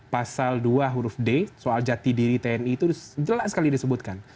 pasal dua huruf d soal jati diri tni itu jelas sekali disebutkan